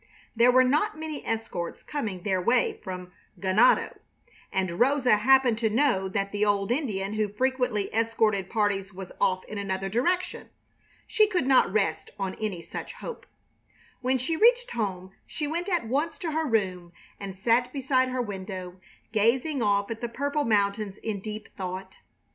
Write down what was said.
There were not many escorts coming their way from Ganado, and Rosa happened to know that the old Indian who frequently escorted parties was off in another direction. She could not rest on any such hope. When she reached home she went at once to her room and sat beside her window, gazing off at the purple mountains in deep thought.